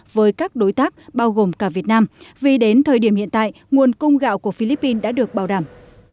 với các đối tác bao gồm cả việt nam vì đến thời điểm hiện tại nguồn cung gạo của philippines đã được bảo đảm